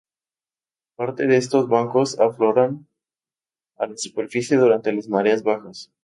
Parte de estos bancos, afloran a la superficie durante las mareas bajas.